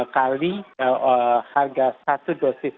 kali harga satu dosis